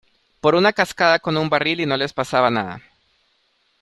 por una cascada con un barril y no les pasaba nada.